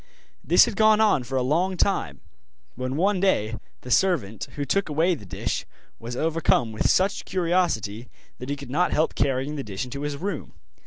This had gone on for a long time, when one day the servant, who took away the dish, was overcome with such curiosity that he could not help carrying the dish into his room.